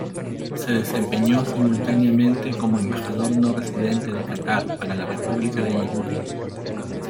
Se desempeñó simultáneamente como embajador no residente de Catar para la República de Yibuti.